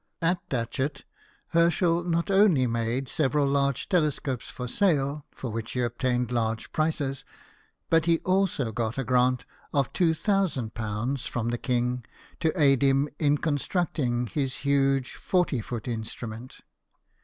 At Datchet, Herschel not only made several large telescopes for sale, for which he obtained lar^e prices, but he also got a grant of ^2000 from the king to aid him in constructing his huje forty foot instrument.